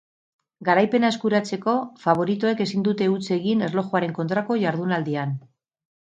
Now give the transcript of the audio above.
Garaipena eskuratzeko faboritoek ezin dute huts egin erlojuaren kontrako jardunaldian.